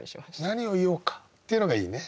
「何を言おうか」っていうのがいいね。